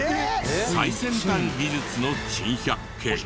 最先端技術の珍百景。